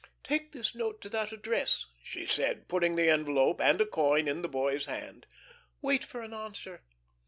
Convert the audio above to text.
"Take this note to that address," she said, putting the envelope and a coin in the boy's hand. "Wait for an answer."